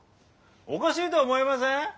おかしいと思いません？